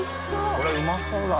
これうまそうだな。